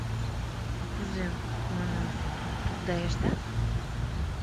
А кузе, — манам, — тогдайышда?